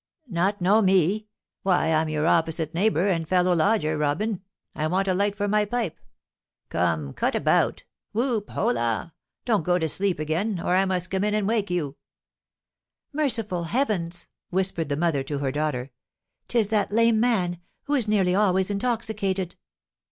"Not know me? Why, I'm your opposite neighbour and fellow lodger, Robin. I want a light for my pipe. Come, cut about. Whoop, holloa! Don't go to sleep again, or I must come in and wake you." "Merciful heavens!" whispered the mother to her daughter, "'tis that lame man, who is nearly always intoxicated."